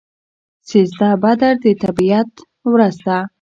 سیزده بدر د طبیعت ورځ ده.